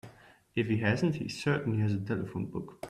If he hasn't he certainly has a telephone book.